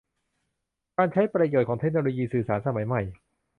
การใช้ประโยชน์ของเทคโนโลยีสื่อสารสมัยใหม่